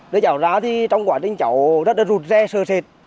đưa cháu ra thì trong quá trình cháu rất là rụt re sờ sệt